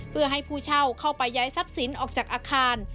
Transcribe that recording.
เพื่อให้ผู้เช่าเข้าไปย้ายทรัพย์สินออกจากอาคาร